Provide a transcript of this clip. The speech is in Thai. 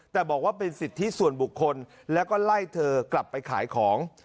แต่บอกว่าเป็นสิทธิส่วนบุคคลแล้วก็ไล่เธอกลับไปขายของ